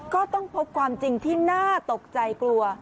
ก็ต้องพบความจริงที่น่าตกใจกลัว